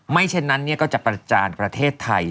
ไม่เช่นนั้นเนี่ยก็จะประจานประเทศไทย